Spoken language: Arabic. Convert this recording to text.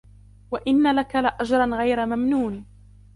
وَإِنَّ لَكَ لأَجْرًا غَيْرَ مَمْنُونٍ